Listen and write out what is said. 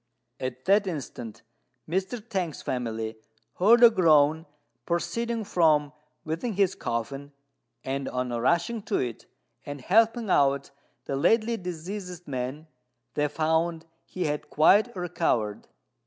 At that instant Mr. T'ang's family heard a groan proceeding from within his coffin, and, on rushing to it and helping out the lately deceased man, they found he had quite recovered.